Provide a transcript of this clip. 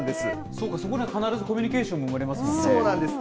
そうか、そこには必ずコミュニケーションが生まれますもんね。